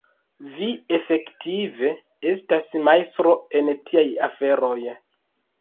Vi, efektive, estas majstro en tiaj aferoj.